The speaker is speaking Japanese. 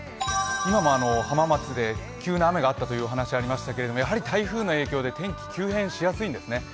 今も浜松で急な雨があったという話がありましたがやはり台風の影響で天気が急変しやすいんですね。